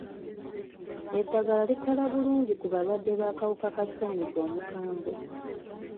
Eddagala likola bulungi ku balwadde b'akawuka ka ssenyiga omukambwe.